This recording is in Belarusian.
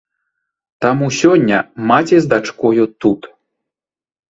Таму сёння маці з дачкою тут.